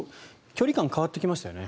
距離感が変わってきましたよね。